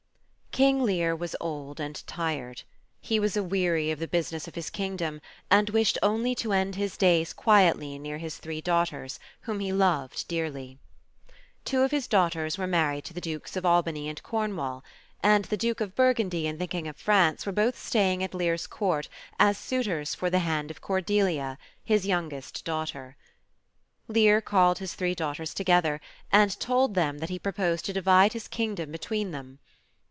KING LEAR was old and tired. He was aweary of the busi ness of his kingdom, and wished only to end his days quietly near his three daughters, whom he loved dearly. Two of his daughters were married to the Dukes of Albany and C^ornwall; and the Duke of Burgundy and the King of France KING LEAR. 25 were both staying at Lear's Court as suitors for the hand of Cor delia, his youngest daughter. Lear called his three daughters together, and told them that he proposed to divide his kingdom between them.